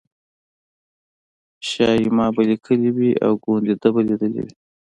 شایي ما به لیکلي وي او ګوندې ده به لیدلي وي.